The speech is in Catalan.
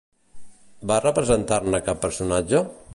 Va representar-ne cap personatge?